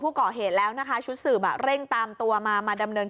ตอนกว่าตอนยิงชื่อเบนอาทุนขอยว่ามันก็มาช่วยน่ะ